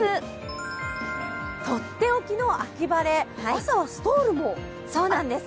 とっておきの秋晴れ、朝はストールも。